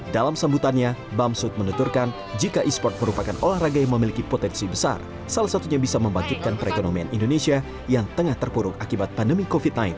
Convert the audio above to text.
dalam sambutannya bamsud menuturkan jika e sports merupakan olahraga yang memiliki potensi besar salah satunya bisa membangkitkan perekonomian indonesia yang tengah terpuruk akibat pandemi covid sembilan belas